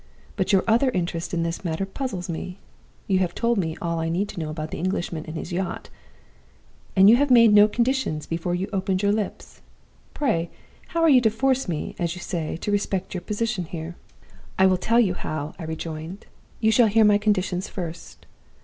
But your other interest in this matter puzzles me. You have told me all I need know about the Englishman and his yacht, and you have made no conditions before you opened your lips. Pray, how are you to force me, as you say, to respect your position here?' "'I will tell you how,' I rejoined. 'You shall hear my conditions first.